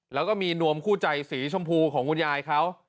แล้วก็มีนวมคู่ใจสีชมพูของคุณยายเขา